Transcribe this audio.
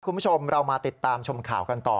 คุณผู้ชมเรามาติดตามชมข่าวกันต่อ